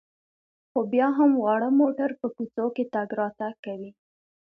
خو بیا هم واړه موټر په کوڅو کې تګ راتګ کوي.